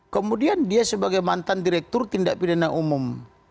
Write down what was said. kemudian dia sebagai mantan direktur tindak pidana umum